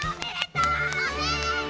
おめでと！